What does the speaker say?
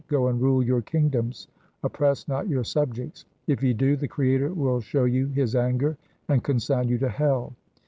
Go and rule your king doms, oppress not your subjects. If ye do, the Creator will show you His anger, and consign you to hell.